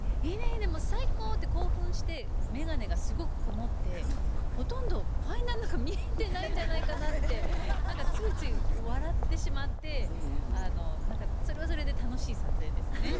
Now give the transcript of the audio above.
もう最高！」って興奮して眼鏡がすごく曇ってほとんどファインダーの中見えてないんじゃないかなって何かついつい笑ってしまってそれはそれで楽しい撮影ですね。